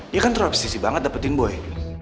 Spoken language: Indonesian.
dia kan terlalu pesisi banget dapetin boy